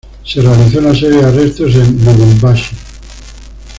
Se realizó una serie de arrestos en Lubumbashi.